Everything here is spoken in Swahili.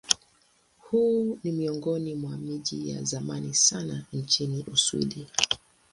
Huu ni miongoni mwa miji ya zamani sana nchini Uswidi.